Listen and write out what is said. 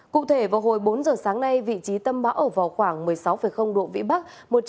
cụ thể vào hồi bốn giờ sáng nay vị trí tâm bão ở vào khoảng một mươi sáu độ vĩ bắc